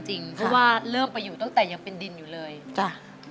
เพราะว่าเริ่มไปอยู่ตั้งแต่ยังเป็นดินอยู่เลยจ้ะ